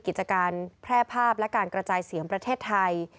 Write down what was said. กิจการแพร่ภาพและการกระจายเสียงประเทศไทย